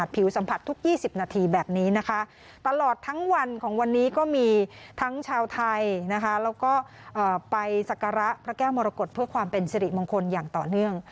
ปรากฏเพื่อความเป็นสิริมงคลอย่างต่อเนื่อง